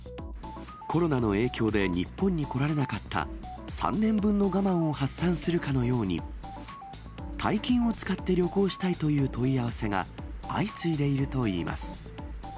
コロナの影響で日本に来られなかった、３年分の我慢を発散するかのように、大金を使って旅行したいという問い合わせが相次いでいるといいます。